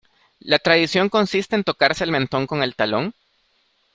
¿La tradición consiste en tocarse el mentón con el talón?